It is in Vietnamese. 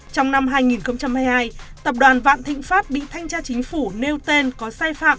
trong năm hai nghìn hai mươi hai tập đoàn vạn thịnh pháp bị thanh tra chính phủ nêu tên có sai phạm